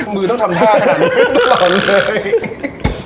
มือต้องทำท่าขนาดนี้หล่อนเลย